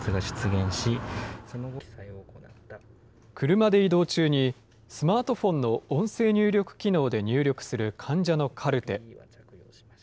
車で移動中に、スマートフォンの音声入力機能で入力する患者のカルテ。